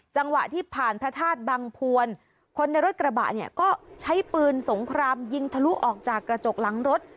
จังหวะที่ผ่านพระธาตุบังพวนคนในรถกระบะเนี่ยก็ใช้ปืนสงครามยิงทะลุออกจากกระจกหลังรถ